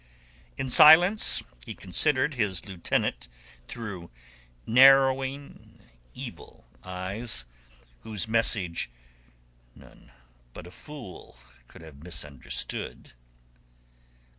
In silence he considered his lieutenant through narrowing evil eyes, whose message none but a fool could have misunderstood.